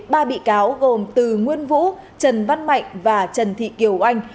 ba bị cáo gồm từ nguyên vũ trần văn mạnh và trần thị kiều anh